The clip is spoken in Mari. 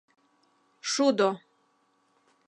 ШУДО